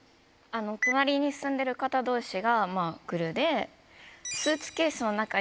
隣に住んでる方同士が。